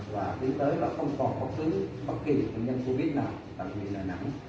và tiến tới không còn bất cứ bệnh nhân covid nào tại bệnh viện đà nẵng